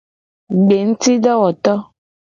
Gbengutidowoto.